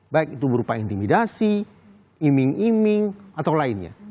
baik itu berupa intimidasi iming iming atau lainnya